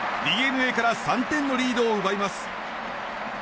ＤｅＮＡから３点のリードを奪います。